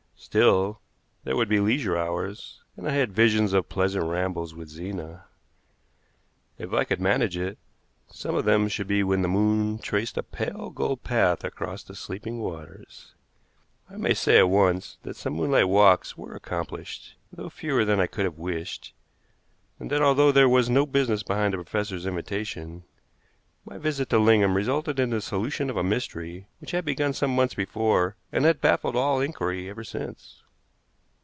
Still, there would be leisure hours, and I had visions of pleasant rambles with Zena. If I could manage it, some of them should be when the moon traced a pale gold path across the sleeping waters. I may say at once that some moonlight walks were accomplished, though fewer than I could have wished, and that, although there was no business behind the professor's invitation, my visit to Lingham resulted in the solution of a mystery which had begun some months before and had baffled all inquiry ever since.